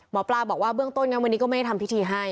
หมอปลาบอกว่าเบื้องต้นวันนี้ก็ไม่ได้ทำพิธีให้